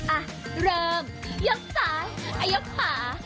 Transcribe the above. อ่ะเริ่มยกซ้ายยกขวา